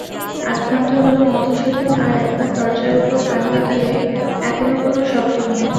আধঘণ্টা হল– মধুসূদন আর-একবার দরজার উপর কান লাগালে, এখনো কোনো শব্দ নেই।